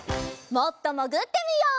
もっともぐってみよう！